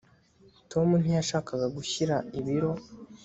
Tom ntiyashakaga gushyira ibiro